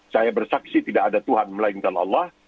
saya bersaksi tidak ada tuhan melainkan allah